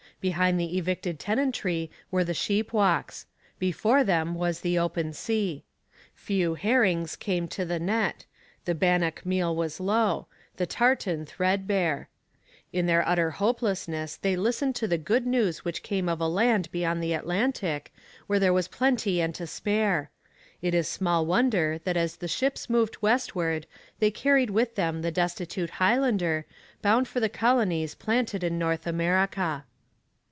Behind the evicted tenantry were the sheep walks; before them was the open sea. Few herrings came to the net; the bannock meal was low; the tartan threadbare. In their utter hopelessness they listened to the good news which came of a land beyond the Atlantic where there was plenty and to spare. It is small wonder that as the ships moved westward they carried with them the destitute Highlander, bound for the colonies planted in North America.